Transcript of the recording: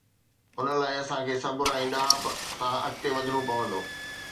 ان لاءِ اسان کي صبر ۽ ڏاهپ سان اڳتي وڌڻو پوندو.